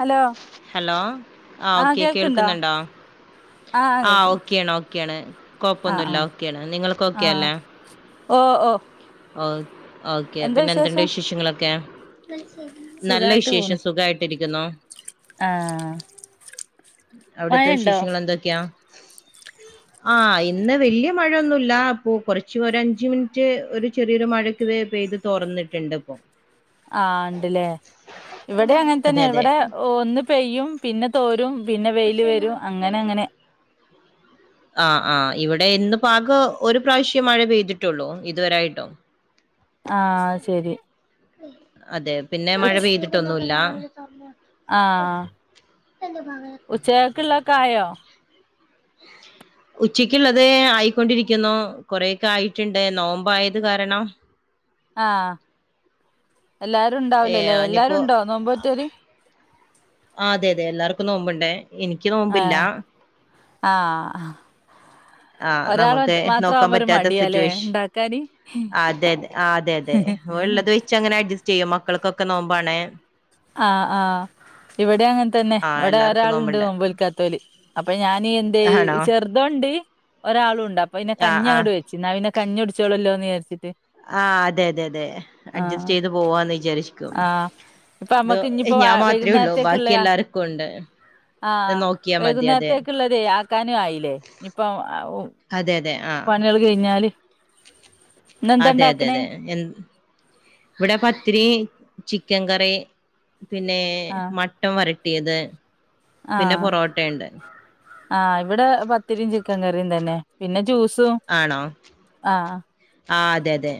Hello hello ആഹ് ആ okay കേൾക്ക്ണ്ടോ കേൾക്കുന്നുണ്ടോ ആ ആ ആഹ് കേൾക്ക്ണ്ട് ഓക്കെയ ആണ് ഓക്കെയ ആണ് ആ ആ കുഴപ്പമൊന്നുമില്ല ഓക്കെയ ആണ് നിങ്ങൾക്ക് ഓക്കെല്ലേ ഓഹ് ഓ ഓ ഓക്കെ എന്താ പിന്നെ എന്തണ്ട വിശേഷം വിശേഷങ്ങളൊക്കെ നല്ല വിശേഷം സുഖായിട്ട് ഇരിക്കുന്നു ആഹ് അവിടത്തെ വിശേഷങ്ങ എന്തൊക്കെയാ ആഹ് ഇന്ന് വല്യ മഴയൊന്നുമല്ല അപ്പൊ കുറച്ച് ഒര് അഞ്ച് മിനിറ്റ് ഒരു ചെറിയൊരു മഴക്ക് പെയ്ത് തുറന്നിട്ടുണ്ട് ഇപ്പോ ആഹ് ഉണ്ടല്ലേ ഇവിടെ അങ്ങനെ അതെ തന്നെ അതെ ഇവിടെ ഒന്ന് പെയ്യും പിന്നെ തോരും പിന്നെ വെയില് വരും അങ്ങനെ അങ്ങനെ ആഹ് ആഹ് ഇവിടെ ഇന്ന് പാക ഒരു പ്രാവശ്യം മഴ പെയ്തിട്ടുള്ളൂ ഇതുവരായിട്ടോ ആഹ് ശരി അതെ പിന്നെ മഴ പെയ്തിട്ടൊന്നുമല്ല ആഹ് ഉച്ചക്കുള്ളൊക്കെ ആയോ ഉച്ചക്കുള്ളത് ആയിക്കൊണ്ടിരിക്കുന്നു കൊറെയൊക്കെ ആയിട്ടുണ്ട് നോമ്പ് ആയത് കാരണം ആഹ് എല്ലാരും ഏ ഉണ്ടാവലല്ലേ എല്ലാരും ഇനിയിപ്പോ ഉണ്ടോ നോമ്പോറ്റല് ആഹ് അതെ അതെ എല്ലാർക്കും നോമ്പണ്ടേ എനിക്ക് നോമ്പില്ല ആഹ് ആഹ് നമുക്ക് നോക്കാൻ പറ്റാത്ത സിറ്റുവേഷൻ ഇണ്ടാക്കാന് അതെെ അതെ അതെ ഉള്ളത് വെച്ച് അങ്ങനെ അഡ്ജസ്റ്റ് ചെയ്യും മക്കൾക്കൊക്കെ നോമ്പണെ ആഹ് ആഹ് ഇവിടെ അങ്ങനെ തന്നെ ആ ഇവിടെ എല്ലാർക്കും ഒരാളുണ്ട് നോമ്പുണ്ട് മപ്ൽിക്കാത്തോലി അപ്പൊ ഞാൻ എന്ത ആണോ ചെറുതണ്ട് ഒരാളുണ്ട് അപ്പൊ ഇന്നെ ആ കഞ്ഞ ആ അങ്ങോട്ടട് വെച്ചു പി നാവിന്നെ കഞ്ഞി കുടിച്ചോളല്ലോന്ന് വിചാരിച്ചട്ട് ആഹ് അതെ അതെ അതെ അഡ്ജസ്റ്റ് ചെയ്ത് പോവാന്ന് വിചാരിരിക്കും ആഹ് ഇപ്പൊ ഇത് അമ്മക്ക് ഇനിയിപ്പോ ഞാൻ മാത്രമേ ഉള്ളൂ വൈകുന്നേരത്തേക്കുള്ള ബാക്കി എല്ലാവർക്കും ഉണ്ട് നോക്കിയാൽ മതി അതെ ഉള്ളതേ ആക്കാനും ആയില്ലേ ഇപ്പം അതെ അതെ ആഹ് ഇന്നെന്താ അതെ അതെ ഇണ്ടാക്കണേ അതെ എ ഇവിടെ പത്തിരി ചിക്കൻ കറി പിന്നെ ആഹ് മ ട്ടം വരട്ടിയത് പിന്നെ ആഹ് പൊറോട്ടുണ്ട് ആഹ് ഇവിടെ പത്തിരിയും ചിക്കൻ കറിയും തന്നെ പിന്നെ ജ്യൂസ് ആണോ ആഹ് അതെ അതെ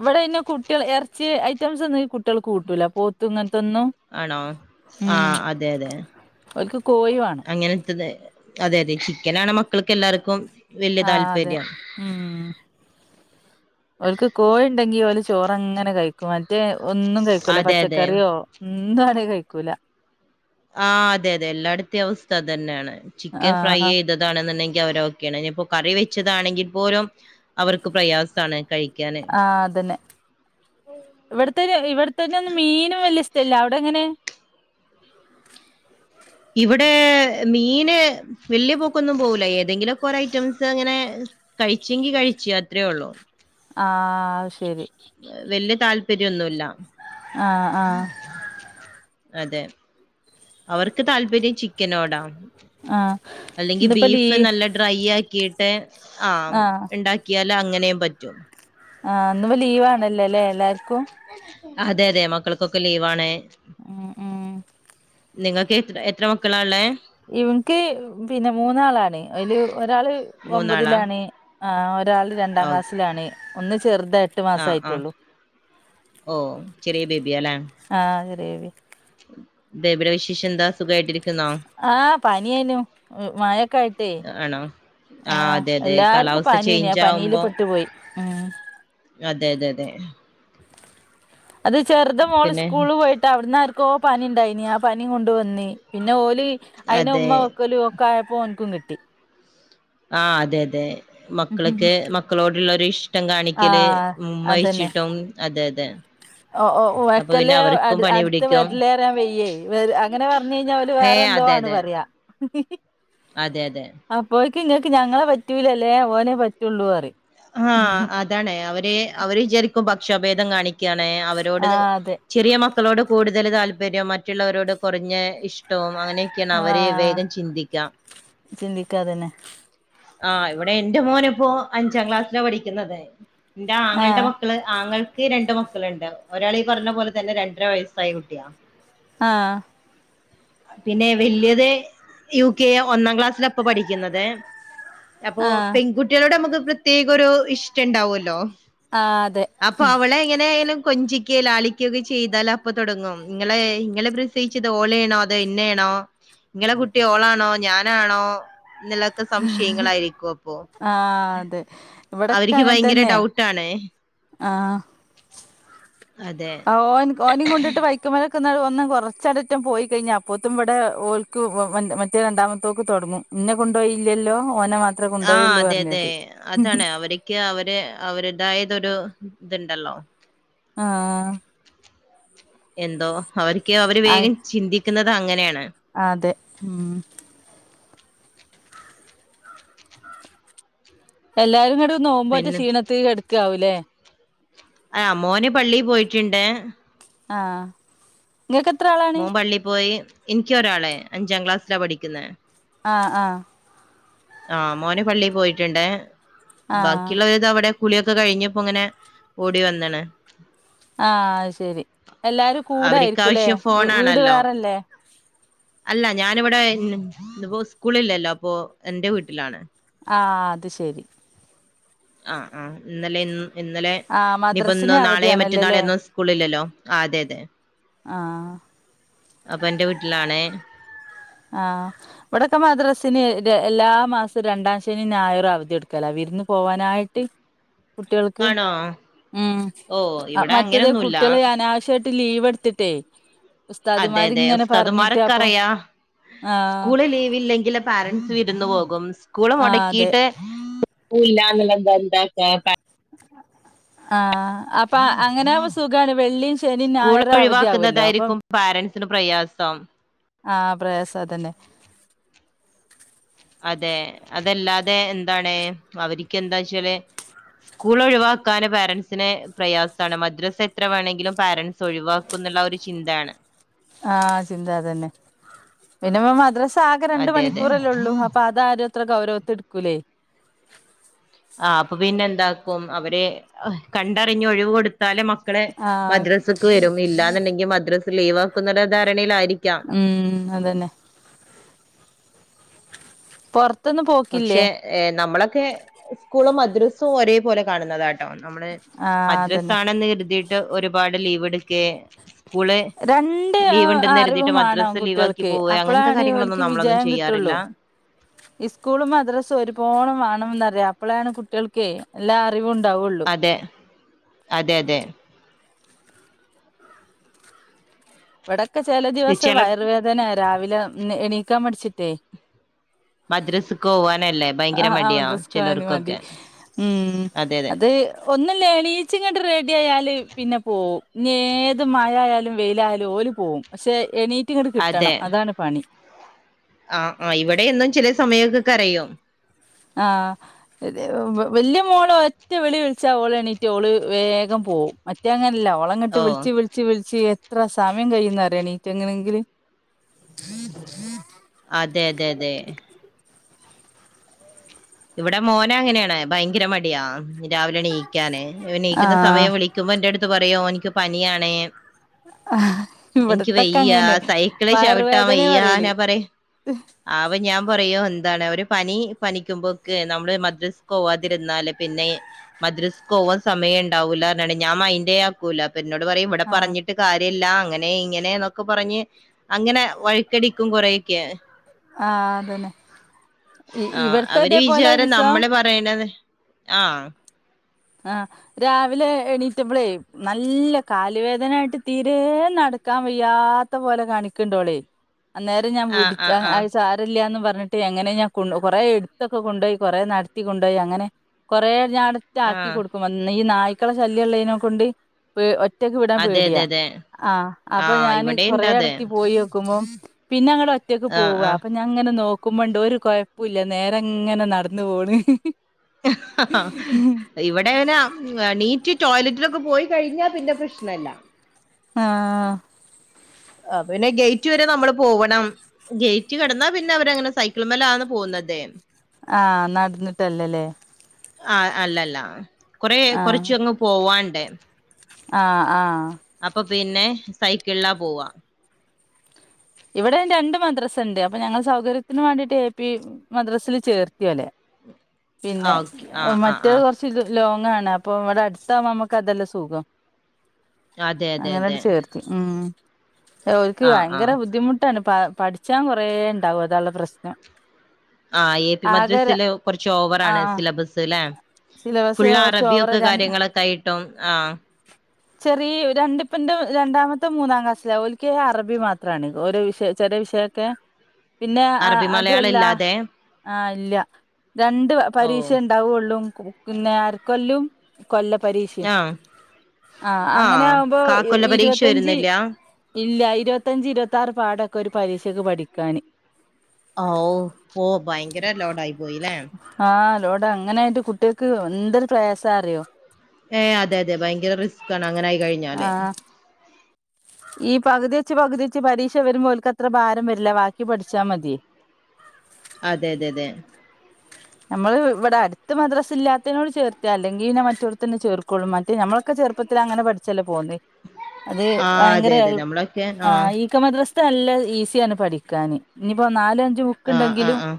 ഇവിടെെ കുട്ടികൾ ഇറച്ചി ഐറ്റംസ് ഒന്നും കുട്ടികൾക്ക് കൂട്ടൂല പോത്തു ഇങ്ങനത്തൊന്നും ആണോ ഉം ആഹ് അതെ അതെ ഓൽക്ക് കോഴി വേണം അങ്ങനെത്തത് അതെ അതെ ചിക്കനണ് മക്കൾക്ക് എല്ലാവർക്കും വലിയ ആഹ് അതെ താല്പര്യം ഉം ഓൾക് കോഴി ഉണ്ടെങ്കി അവ ഓല് ചോറങ്ങനെ കഴിക്കും മറ്റേ ഒന്നും കഴിക്കൂല്ല അതെ അതെ പച്ചക്കറിയോ എന്താണ് കഴിക്കൂല ആഹ് അതെ അതെ എല്ലായിടത്ത അവസ്ഥ അതന്നെയാണ് ചിക്കൻ ഫ്രൈ ആഹ് ചെയ്ത് ണെന്നുണ്ടെങ്കിൽ അവര ഓക്കെയാണ് ഇനിയിപ്പോ കറി വെച്ചതാണെങ്കിൽ പോലും അവർക്ക് പ്രയാസമാണ് കഴിക്കാന് ആഹ് അതന്നെ ഇവിടത്തെ ഇവിടെത്തന്നെ ഒന്നും മീനും വലിയ സ്ഥലല്ല അവിടെ എങ്ങനെ ഇവിടെ മീന് വലിയ പോക്കൊന്നും പോകൂല ഏതെങ്കിലുംക്കെറ ഐറ്റംസ് ഇങ്ങനെ കഴിച്ചെങ്കി കഴിച്ചു അത്രയേ ഉള്ളൂ ആഹ് ശരി വല്യ താല്പര്യമൊന്നുമല്ല ആഹ് ആഹ് അതെ അവർക്ക് താല്പര്യം ചിക്കനോടാ ആഹ് അല്ലെങ്കിൽ ഇന്നിപ്പോ ലീ ബീഫ് നല്ല ഡ്രൈ ആക്കിയിട്ട് ആഹ് ഉണ്ടാക്കിയാൽ അങ്ങനെയും പറ്റും ആഹ് അന്ന്പ ലീവ് ആണല്ലേ അല്ലെ എല്ലാർക്കും അതെ അതെ മക്കൾക്കൊക്കെ ലീവാണ് ഉം ഉം നിങ്ങൾക്ക് എത്ര എത്ര മക്കളാള്ളേ ഇവൻക്ക് പിന്നെ മൂന്നാളാണ് അതില് ഒരാള് മൂന്നാളാ ഒമ്പതിലാണ് ഒരാൾ രണ്ടാം ഓ ക്ലാസ്സിലാണ് ഒന്ന് ചെറുത എട്ട് ആ മാസം ആ ആയിട്ടുള്ളൂ [inaudible] ഓ ചെറിയ ബേബിയല്ലേ ആഹ് ചെറിയ ബേബി ബേബിടെ വിശേഷംന്താ സുഖയിട്ടിരിക്കു ആഹ് പണി യാനു മഴക്കെ ആയിട്ടേ ആണോ ആ ആഹ അതെ അതെ എല്ലാർക്കും കാലാവസ്ഥ പനിയന ചേഞ്ച് പനിൽ ആവുമ്പോ പെട്ടുപോയി ഉ അതെ അതെ അതെ അത് ചെറുത മോള് പിന്നെ സ്കൂള പോയിട്ട് അവിടന്ന ആർക്ക പനി ഉണ്ടായിനി ആ പനി കൊണ്ട വന്നി പിന്നെ ഓലി അയിന് അതെ ഉമ്മ വെക്കലും ഒക്ക ആയപ്പോ ഓനക്കും കിട്ടി ആഹ് അതെ അതെ മക്കൾക്ക് മക്കളോടുള്ളരുഷ് ഷ്ടം ആ കാണിക്കല് അതന്നെ ഉമ്മച്ചിട്ടും അതെ അതെ ഓ ഓ അപ്പൊ പിന്നെ വെക്കല് അവർക്കും അദ് പണി അടുത്ത് പിടിക്കും വരലേറാൻ വെയ്യേ അങ്ങനെ പറഞ് വന്ന് കഴിഞ്ഞാ അവല് ഏ വേറെന്തോ അതെ ആണ് അതെ പറയാ അതെ അതെ അപ്പോഴേക്ക് ഇങ്ങൾക്ക് ഞങ്ങളെ പറ്റൂലല്ലേ ഓനെ പറ്റുള്ളൂ പറയും ആഹ് അതാണ് അവര് അവര് വിചാരിക്കും ഭക്ഷാഭേദം കാണിക് ക്കാണ് അവരോട് ആ അതെ ചെറിയ മ മക്കളോട് കൂടുതൽ താല്പര്യവും മറ്റുള്ളവരോട് കുറഞ്ഞ ഇഷ്ടവും അങ്ങനെ ണ് ആ അവരെ വേഗം ചിന്തിക്കാം ചിന്തിക്കാതന്നെ ആഹ് ഇവിടെ എൻ്റെ മോനപ്പോ അഞ്ചാം ക്ലാസ്സിലാ പഠിക്കുന്നുത് എന്റെ ആ ആങ്ങളുടെ മക്ക ക്കള് ആങ്ങൾക്ക് രണ്ട് മക്കളുണ്ട് ഒരാള് ഈ പറഞ്ഞ പോലെ തന്നെ രണ്ടര വയസ്സായ കുട്ടിയാ ആഹ് പിന്നെ വല്യത് യു കെ ഒന്നാം ക്ലാസ്സിലപ്പൊ പഠിക്കുന്നത് അപ്പൊ ആ പെൺകുട്ടികളോട് നമുക്ക് പ്രത്യേകം ഒരു ഇഷ്ടം ഉണ്ടാവുവല്ലോ ആ അതെ അപ്പൊ അവളെ എങ്ങനെ ആയാലും കൊഞ്ചി ക്കെ ലാളിക്കൊക്കെ ചെയ്താല് അപ്പൊ തുടങ്ങും നിങ്ങളെ നിങ്ങളെ പ്രസയിച്ചത് ഒലെ ആണോ അതോ എന്നെ ആണോ നിങ്ങളെ കുട്ടി ഓളാണോ ഞാനാണോ എന്നുള്ളൊക്കെ സംശയങ്ങളായിരിക്കും അപ്പൊ ആഹ് അതെ ഇവിടെക്കെ അവർക്ക് അങ്ങനെ ഭയങ്കര തന്നെ ഡൗട്ടാണ് ആഹ് അതെ. ആഹ് ഓ ഓനും കൊണ്ടിട്ട് വൈ ചിക്കമലക്കന്നാട് വന്ന കുറച്ചടറ്റം പോയി കഴിഞ്ഞാൽ അപ്പോഴത്തും ഇവിടെ ഓൽക്ക് മറ്റേ രണ്ടാമത്തോക്ക് തുടങ്ങും ഇന്നെ കൊണ്ടുപോയില്ലല്ലോ ഓനെ മാ ആഹ് അതെ അതെ അതാണ് അവരെ ക്കെ അവര് അവരുതായതൊരു ഇതുണ്ടല്ലോ ആഹ് എന്തോ അവര്ക്ക് അവര് അഹ് വേഗം ചിന്തിക്കുന്നത് അങ്ങനെയാണ് അതെ ഉം എല്ലാരും അങ്ങട് നോമ്പോറ്റേ പിന്നെ ക്ഷീണത്തി കടക്കാവൂല്ലേ ആഹ് മോന് പള്ളി പോയിട്ടുണ്ട് ആഹ് നിങ്ങൾക്ക് എത്ര ആളാ മോൻ പള്ളി പോയി എനിക്കോരാളെ അഞ്ചാം ക്ലാസ്സിലാ പഠിക്കുന്നെ ആഹ് ആഹ് ആഹ് മോന് പള്ളി പോയിട്ടുണ്ട് ആഹ് ബാക്കിയുള്ളവരിത് അവിടെ കുളിയൊക്കെ കഴിഞ്ഞപ്പോ ഇങ്ങനെ ഓടി വന്നാണ് ആഹ് അശെരി എല്ലാരും കൂടയിരിക്കൂല്ലേ അവര്ക്കാവശ്യം വീട് ഫോണാണല്ലോ. വേറെല്ലേ അല്ല ഞാനിവിടെ ഇന്ന് ഇപ്പോ സ്കൂളില്ലല്ലോ അപ്പൊ എന്റെ വീട്ടിലാണ് ആഹ് അത് ശരി ആഹ് ആഹ് ഇന്നലെ ഇ ഇന്നലെ ആഹ് ഇനിപ്പോ ഇന്നൊ മദ്രസിന് നാളെ മറ്റന്നാളേ അവധിയാണല്ലോല്ലേ ഒന്നും സ്കൂളില്ലല്ലോ ആഹ് അതെ അതെ ആഹ് അപ്പൻന്റെ വീട്ടിലാണ് ആഹ് ഇവടൊക്കെ മദ്രസ്ന് എല്ലാ മാസം രണ്ടാശെനി ഞായറു അവത്യോട്ക്കലാ വിര്ന്ന് പോവാനായിട്ട് കുട്ടികൾക്ക് ആണോ ഉം ഓ ഇവിടെ മറ്റേത് അങ്ങനൊന്നുല്ല കുട്ടെല് അനാവശ്യമായിട്ട് ലീവ് എടുത്തിട്ടേ അതെ അതെ ഉസ്താദുമാരിങ്ങനെ പറഞ്ഞിട്ട് ഉസ്താതുമാരൊക്കെ അപ്പൊ അറിയ ആഹ് സ്കൂള് ലീവ് ഇല്ലെങ്കില് പാരന്റ്സ് വിരുന്ന് പോകും സ്കൂള് ആഹ് അതെ മുടക്കിയിട്ട് പോ ഇല്ലാന്ന് തെന്ത എന്തക്ക ആഹ് അപ്പാ അങ്ങനെമുമ്പ സുഗാണ് വെള്ളി ശനിം സ്കൂൾ ഞായറും അവധിവല്ലോ അപ്പൊ ഒഴിവാക്കുന്നതായിരിക്കും പാരൻറ്സിന് പ്രയാസം ആഹ് പ്രയാസം അതന്നെ. അതെ അതല്ലാതെ എന്താണ് അവര്ക്ക് എന്താച്ചാല് സ്കൂള് ഒഴിവാക്കാന് പാരൻസ്ന് പ്രയാസാണ് മദ്രാസ് എത്ര വേണെങ്കിലും പാരൻസ് ഒഴിവാക്കുന്നുള്ള ആഹ് ഒരു ചിന്താണ്. ആഹ് ചിന്ത അതന്നെ പിന്നെ മദ്രസാകെ രണ്ട് അതെ അതെ മണിക്കൂറല്ലൊള്ളൂ അപ്പൊ അതാരും അത്ര ഗൗരവത്ത്ടുക്കൂലെ. ആഹ് അപ്പൊ പിന്നെ എന്താക്കും അവര് കണ്ടറിഞ്ഞഞ് ഒഴിവ് കൊടുത്താലേ മ വടെ ആഹ് മദ്രാസക്ക് വരും ഇല്ലാന്ണ്ടെങ്കി മദ്രസ് ലീവ് ആക്കുന്ന ധാരണേലുംയിരിക്കാം. ഉം അതന്നെ. പൊർ പക്ഷേ നമ്മളൊക്കെ സ്കൂളും മദ്രസും ഒരേ പോലെ കാണുന്നതാണ്. നമ്മള് ആഹ് മദ്രസ അതന്നെ ആണെന്ന് കരുതിയിട്ട് ഒരുപാട് ലീവ് എടുകെ. രണ്ട് അറിവും വേണം മദ്രസ് ലീവാക്കി കുട്ടോൾക്ക് പോവേ അങ്ങനത്തെ അപ്പഴാണ് ഓൽക്ക്. ക്ക് കാര്യങ്ങളൊന്നും നമ്മളൊന്നും വിജയം ചെയ്യാറില്ല കിട്ടൊള്ളൂ. ഈസ്കൂളും മദ്രാസും ഒരുപോലെ വാണംന്നറയ അപ്പളാണ് കുട്ട്യാൾക്ക് എല്ലാ അറിവുണ്ടാവൊള്ളോ. അതെ അതെ അതെ. ഇവിടൊക്കെ ചെല ദിവസം ചില വയറ് വേതനെ രാവിലെ എണീക്കാൻ മട്ച്ട്ടെ. മദ്രസ്ക്കോവാനല്ലേ? ആഹ് അഹ് മദ്രസ് കോവാൻ മടി ഉം അതെ അതെ അത് ഒന്നുല്ല എണീച് ങ്ങണ്ട് റെഡിയാ യാല് പിന്നെ പോവും ഏത് മഴായാലും വെയ്ലായാലും. ഓല് പോവും പക്ഷെ എണീറ്റ്ങ്ങട്ട് കിട്ടണം അതാണ് പണി. ആഹ് ആഹ് ഇവടേയുംഇന്ന് ചില സമയതൊകരയും. ആഹ് വല്ല്യ മോള് ഒറ്റവിളി വിളിച്ചാ ഓള് എണ്ണീറ്റ് ഓള് വേഗം പോവും. ഇന്റ ങ്ങനല്ല ഓളങ്ങട്ട് ഓ വ്ൾച്ച് വ്ൾ വിച്ച് വ്ൾച്ച് എത്ര സമയം കഴിയുന്നറിയണീകണെങ്കില്. അതെ അതെ അതെ. ഇവിടെ മോന അങ്ങനേണ് ഭയങ്കര മടിയാ രാവിലെണീ കാന് യണീകാന് യെണീകുന്ന ആഹ് സമയം വിളി നക്കുമ്പോ എന്റെ അട്ത്ത് പറയാ ഓന്ക്ക് പന്യാണ്. ഇൻക്ക് ഇവിടത്തൊക്കെ വയ്യാ അങ്ങനെ സൈക്ക്ള് ചവിട്ടാ വയ്യാ ന്നാപറിം ഉം ആവോ ഞാൻ പറയോ എന്താണ് ഒര് പനി പനിക്കുമ്പോക്കെ നമ്മള് മദ്രസ് പോവാതിരുന്നാല് പിന്നെ. മദ്രസ് പോകവാൻ സമയം ഉണ്ടാവൂലർ ഞ് ങ്ങാണ്ട് ഞാൻ മെയ്ന്റെ ആക്കൂല അപി എന്നോട് പറയും ഇവിടെ ആഹ് പറഞ്ഞി ട്ട്കാര്യല്ല അങ്ങനെ ഇങ്ങനെ എന്നൊക്കെ പറഞ്ഞ് അങ്ങനെ വഴക്കടിക്കും കുറൊക്കെ. ആഹ് അതന്നെ ആഹ് ഇവിടത്തെ അവര് ഇതേപോലെ വിചാരം ഒരീസം നമ്മള് പറയണത് ആഹ് ആഹ് രാവിലെ എണീറ്റപ്പളേ നല്ല കാലുവേദന ആയിട്ട് തീരെ നടക്കാൻ വയ്യാത്ത പോലെ കാണിക്ക്‌ണ് ണ്ടോളേ അന്നേരം ഞാൻ ആ വിടിച്ച ആ ആഹ് ആ അഅ് സാ രല്ലാന്ന് പറഞ്ഞിട്ട് എങ്ങനെ ഞാൻ കൊണ്ട് കൊറെ എടുത്തൊക്കെ കൊണ്ടോയി കൊറെ നടത്തി കൊണ്ടോയി അങ്ങനെ കുറെ ജാഡട്ടിട്ട് ആക്കി ആഹ് കൊടുക്കും ഈ നായ്ക്കള ശല്യള്ളയിനെ കൊണ്ട് പേ ഒറ്റക്ക് വിടാൻ അതെ പേടിയാ അതെ അതെ ആഹ് അപ്പൊ ആഹ് ഞാന് ഇവിടെണ്ട് കൊറെ അത് ഇടത്തി പോയി വെക്കുമ്പോം പിന്നെ അങ്ങടെ ഒറ്റക്ക് പോവ ആഹ് അപ്പൊ ഞാൻ അങ്ങനെ നോക്കുമ്പണ്ട് ഒരു കൊഴപ്പോല്ല നേരങ്ങനെ നടന്നു പോണ് ഇവിടെനെ എണീ റ്റ് ടോയ്ലറ്റിലൊക്കെ പോയി കഴിഞ്ഞാൽ പിന്നെ പ്രശ്നല്ല ആഹ് ആഹ് പിന്നെ ഗേറ്റ് വരെ നമ്മള് പോവണം ഗേറ്റ് കടന്നാ പിന്നെ അവരങ്ങനെ സൈക്കിൾ മ്മലാന്ന് പോകുന്നതെ ആഹ് നടന്നിട്ടല്ലല്ലേ ആഹ് അല്ലല്ല കൊറ ആഹ് കൊറച്ചങ്ങ് പോവാണ്ടേ ആഹ് ആഹ് അപ്പൊ പിന്നെ സൈക്കിളിലാ പോവാ ഇവിടേം രണ്ട് മദ്രസ ണ്ട് അപ്പൊ ഞങ്ങള് സൗകര്യത്തിന് വേണ്ടിട്ട് എ പി മദ്രസില് ചേർത്തി ഓലെ പിന്നെ ആഹ് ഓക്കെ ആഹ് ആഹ് മറ്റേത് ആഹ് കുറ ച്ച് ലോങ്ങാണ് അപ്പൊ ഇവിടെ അടുത്താവുമ്പ നമുക്ക് അതെല്ലേ സുഖം അതെ അതെ അങ്ങനെട് അതെ ചേർത്തി ഉം ഓൽക്ക് ആഹ് ഭയങ്കര ആഹ് ബുദ്ധി ദ്ധിമുട്ടാണ് പ പഠിച്ചാൻ കുറേ ഉണ്ടാവും അതോള്ളൂ പ്രശ്നം ആഹ് എ പി ആകെ മദ്രസില് കുറച്ച് ഓവറാണ് ആഹ് സിലബസ് ല്ലെ സിലബസ് ഫുള്ള് കുറച്ച് ഓവർ അറബിയൊക്കെ ര കാര്യങ്ങളൊക്കെ ആയിട്ടും ആഹ് ചെറിയ രണ്ടിപ്പന്റെറെ രണ്ടാമത്തെ മൂന്നാം ക്ലാസ്സില ഓലിക്കയിന് അറബി മാത്രാണ് ഓരോ വിഷയ ചെറിയ വിഷയൊക്കെ പിന്നെ ആഹ് അറബി അതു മലയാളം ല്ല ഇല്ലാതെ ആഹ് ഇല്ല രണ്ട് ഓ പരീക്ഷേ ഉണ്ടാവൊള്ളൂ പിന്നെ അരക്കൊല്ലും കൊല്ല പരീഷീമ് ആഹ് ആഹ് അങ്ങനെ ആവുമ്പോ കാക്കൊല്ല പരീക്ഷ ഇരുപത്തഞ്ച് വരുന്നില്ല ഇല്ല ഇരുപത്തഞ്ച് ഇരുപത്തി ആറ് പാടൊക്കെ ഒരു പരീക്ഷക്ക് പഠിക്കാന്. ഔ ഓഹ് ഭയങ്കര ലോടായി പോയില്ലേ ആഹ് ലോഡ അങ്ങനെ ആയിട്ട് കുട്ട്യാൾക്ക് എന്തൊരു പ്രയാസ അറിയോ ഏഹ് അതെ അതെ ഭയങ്കര റിസ്ക് ആണ് അങ്ങനെ ആയി ആ കഴിഞ്ഞാലേ ഈ പകുതി വെച്ച് പകുതി വെച്ച് പരീക്ഷ വരുമ്പോൽക്ക് അത്ര ഭാരം വരില്ല ബാക്കി പഠിച്ചാൽ മത്യേ അതെ അതെ അതെ നമ്മള് ഇവിടെ അടുത്ത് മദ്രസ ഇല്ലാത്തേനോട് ചേർത്താ അല്ലെങ്കി പിന്നെ മറ്റോട് തന്നെ ചേർ ക്കോളും മറ്റ് ഞമ്മളക്കെ ചെറുപ്പത്തിലങ്ങനെ പഠിച്ചല്ലേ പോന്നേ അത് ആഹ് ഭയങ്കര അതെ അതെ നമ്മളൊക്കെ ആഹ് ഈ ഇ ക മദ്രസ്ത്തെ നല്ല ഈസിയാണ് പഠിക്കാൻ ഇനിയിപ്പോ നാലും അഞ്ചും ബുക്ക് ആഹ് ആഹ് ഉണ്ടെങ്കിലും ആഹ്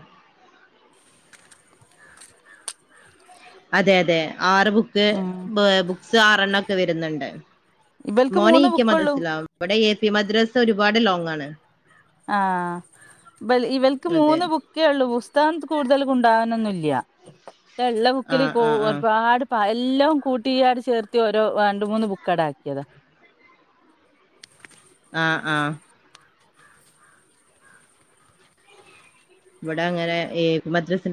അതെ അതെ ആറ് ബുക്ക് ഉം ബുക്സ് ആറെണ്ണം ഒക്കെ വരുന്നുണ്ട് ഇവൽക്ക് മോന് മൂന്ന് ഇ കെ ബുക്കുള്ളൂ മദ്രസില ഇവിടെ എ പി മദ്രസ് ഒരുപാട് ലോങ് ആണ്. ആഹ് ബൽ ഇവൽക്ക് അതെ മൂന്ന് ബു ക്കെയുള്ളൂ പുസ്തകം കൂടുതല് കൊണ്ടോവാനൊന്നുംല്ല പക്ഷെ ഇള്ള ബുക്കിൽ ആഹ് ആഹ് ആഹ് ഒരുപാട് പ്പ എല്ലോം കൂട്ടിഅട് ചേർത്തി ഓരോ രണ്ട് മൂന്ന് ബുക്കെട ആക്കിയതാ ആഹ് ആഹ് ഇവിടെ അങ്ങനെ ഈ മദ്രസിന്റെ